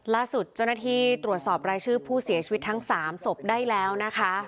ล่าสุดเจ้าหน้าที่ตรวจสอบรายชื่อผู้เสียชีวิตทั้ง๓ศพได้แล้วนะคะ